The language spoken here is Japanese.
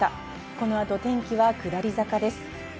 この後、天気は下り坂です。